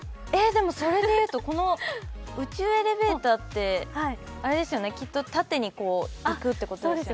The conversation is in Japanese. それで言うと、宇宙エレベーターってきっと縦にこう、行くってことですよね。